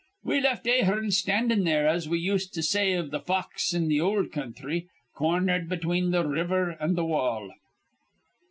We left Ahearn standin' there, as we used to say iv th' fox in th' ol' counthry, cornered between th' river an' th' wall."